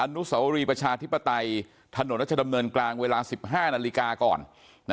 นุสวรีประชาธิปไตยถนนรัชดำเนินกลางเวลา๑๕นาฬิกาก่อน